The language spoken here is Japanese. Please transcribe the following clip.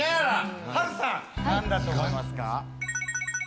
波瑠さん何だと思いますか？